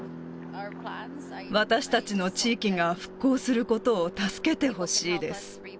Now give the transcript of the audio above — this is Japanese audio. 私たちの地域が復興することを助けてほしいです。